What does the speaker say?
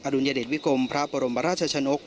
อดุญเด็ดวิกลมพระบรมราชชนกษ์